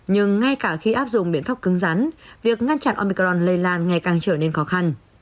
nhưng ngay cả khi áp dụng biện pháp cứng rắn việc ngăn chặn omicron lây lan ngày càng trở nên khó khăn